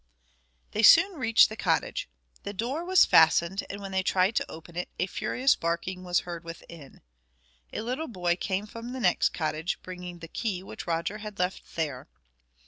They soon reached the cottage. The door was fastened, and when they tried to open it a furious barking was heard within. A little boy came from the next cottage, bringing the key, which Roger had left there.